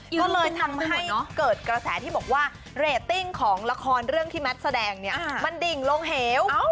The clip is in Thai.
ก็เลยทำให้เกิดกระแสที่บอกว่าเรตติ้งของละครเรื่องที่แมทแสดงเนี่ยมันดิ่งลงเหว